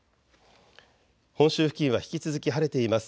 本州付近は引き続き晴れています。